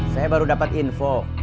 saya baru dapat info